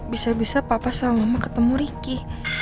bisa bisa papa sama mama ketemu ricky